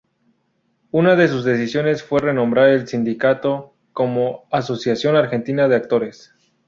Una de sus decisiones fue renombrar el sindicato como "Asociación Argentina de Actores".